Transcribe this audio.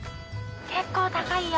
結構高いよ。